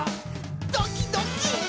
「ドキドキ！」